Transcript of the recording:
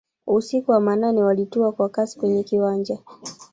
usiku wa manane Walitua kwa kasi kwenye kiwanja